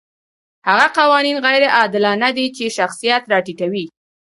هغه قوانین غیر عادلانه دي چې شخصیت راټیټوي.